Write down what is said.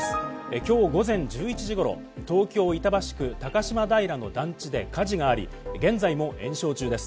今日午前１１時頃、東京・板橋区高島平の団地で火事があり、現在も延焼中です。